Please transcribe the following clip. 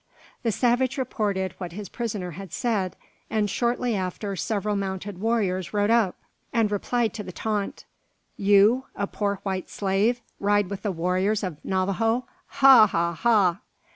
The savage reported what his prisoner had said, and shortly after several mounted warriors rode up, and replied to the taunt. "You! a poor white slave, ride with the warriors of Navajo! Ha! ha! ha!"